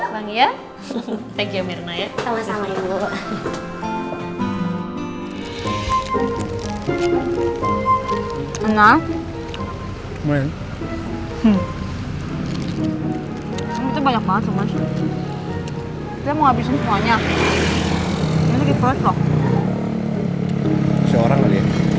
boleh sih bagus